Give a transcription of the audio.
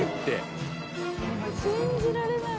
森川）信じられない。